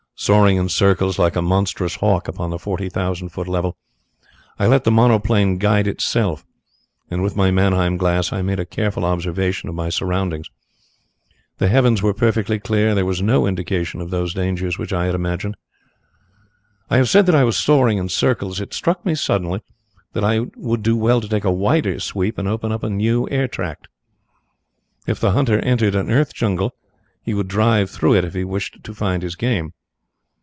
Soaring in circles like a monstrous hawk upon the forty thousand foot level I let the monoplane guide herself, and with my Mannheim glass I made a careful observation of my surroundings. The heavens were perfectly clear; there was no indication of those dangers which I had imagined. "I have said that I was soaring in circles. It struck me suddenly that I would do well to take a wider sweep and open up a new airtract. If the hunter entered an earth jungle he would drive through it if he wished to find his game.